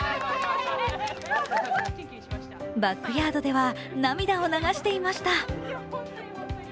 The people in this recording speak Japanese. バックヤードでは涙を流していました。